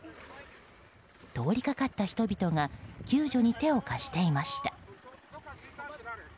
通りかかった人々が救助に手を貸していました。